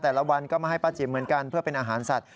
วันก็มาให้ป้าจิ๋มเหมือนกันเพื่อเป็นอาหารสัตว